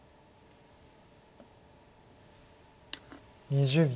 ２０秒。